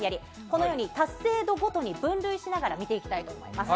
このように達成度ごとに分類しながら見ていきたいと思います。